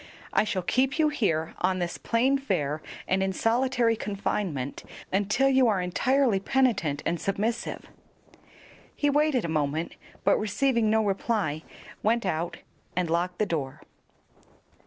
I shall keep you here on this plain fare and in solitary confinement until you are entirely penitent and submissive." He waited a moment, but receiving no reply, went out and locked the door.